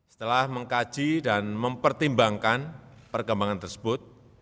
setelah mengkaji dan mempertimbangkan perkembangan tersebut